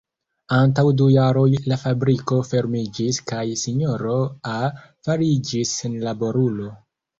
Antaŭ du jaroj la fabriko fermiĝis kaj sinjoro A fariĝis senlaborulo.